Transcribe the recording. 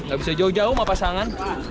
gak bisa jauh jauh sama pasangan